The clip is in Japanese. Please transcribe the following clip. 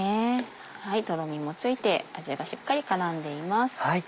とろみもついて味がしっかり絡んでいます。